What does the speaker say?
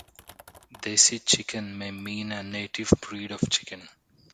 "Desi chicken" may mean a native breed of chicken.